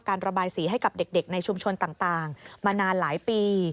ระบายสีให้กับเด็กในชุมชนต่างมานานหลายปี